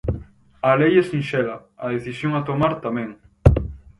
A lei é sinxela, a decisión a tomar tamén.